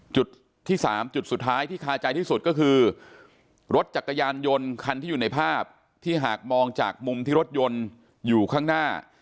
จุดที่๓จุดสุดท้ายที่คาใจที่สุดก็คือรถจักรยานยนต์คันที่อยู่ในภาพที่หากมองจากมุมที่รถยนต์อยู่ข้างหน้า